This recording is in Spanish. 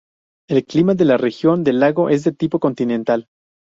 El clima de la región del lago es de tipo continental.